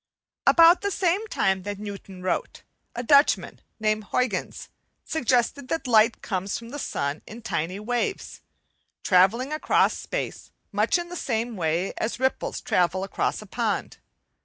About the same time that Newton wrote, a Dutchman, named Huyghens, suggested that light comes from the sun in tiny waves, travelling across space much in the same way as ripples travel across a pond.